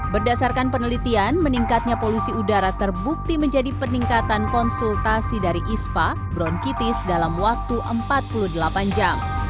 berdasarkan penelitian meningkatnya polusi udara terbukti menjadi peningkatan konsultasi dari ispa bronkitis dalam waktu empat puluh delapan jam